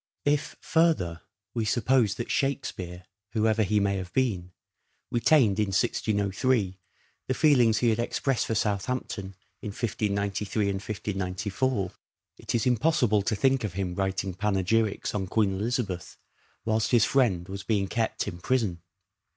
If, further, we suppose that " Shakespeare," whoever he may have been, retained in 1603 the feelings he had expressed for Southampton in 1593 and 1594, it is impossible to think of him writing panegyrics on Queen Elizabeth whilst his friend was being kept in prison.